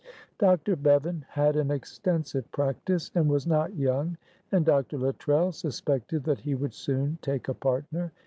Dr. Bevan had an extensive practice and was not young, and Dr. Luttrell suspected that he would soon take a partner.